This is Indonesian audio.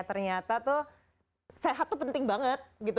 ternyata itu sehat itu penting banget